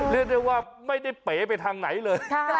เรียกได้ว่าไม่ได้เป๋ไปทางไหนเลย